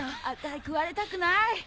あたい食われたくない。